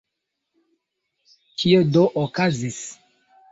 Kio do okazis?